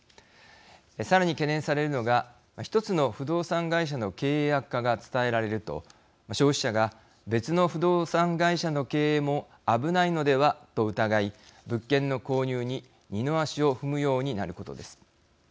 さらに懸念されるのが１つの不動産会社の経営悪化が伝えられると消費者が別の不動産会社の経営も危ないのではと疑い物件の購入に二の足を踏むようになることです。